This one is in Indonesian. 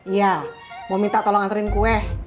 iya mau minta tolong antarin kue